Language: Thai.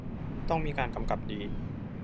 ต้องมีการกำกับดี